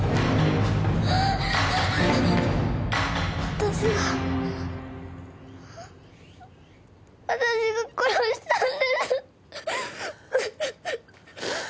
私が私が殺したんです。